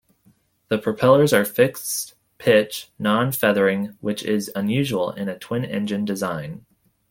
The Propellers are fixed-pitch non-feathering, which is unusual in a twin-engine design.